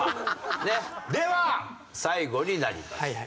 では最後になります。